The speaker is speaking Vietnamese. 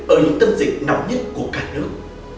ở những tâm dịch nóng nhất của cả nước